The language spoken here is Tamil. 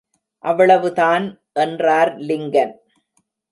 அவ்வளவுதான் எனறார் லிங்கன்.